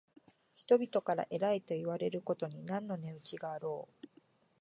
人々から偉いといわれることに何の値打ちがあろう。